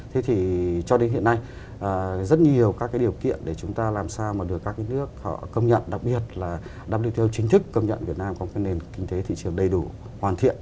thế thì cho đến hiện nay rất nhiều các cái điều kiện để chúng ta làm sao mà được các cái nước họ công nhận đặc biệt là wto chính thức công nhận việt nam có một cái nền kinh tế thị trường đầy đủ hoàn thiện